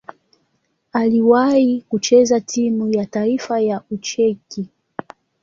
Aliwahi kucheza timu ya taifa ya Ucheki.